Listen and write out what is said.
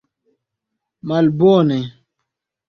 malbone